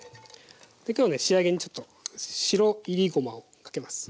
今日はね仕上げにちょっと白いりごまをかけます。